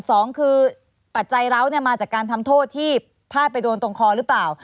สองคือปัจจัยร้าวเนี่ยมาจากการทำโทษที่พลาดไปโดนตรงคอหรือเปล่า